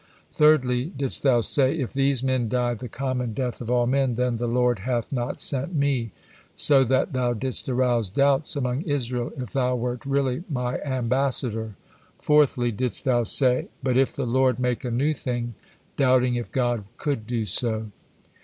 Thirdly didst thou say, 'If these men die the common death of all men, then the Lord hath not sent me,' so that thou didst arouse doubts among Israel if thou wert really My ambassador. Fourthly didst thou say, 'But if the Lord make a new thing,' doubting if God could do so.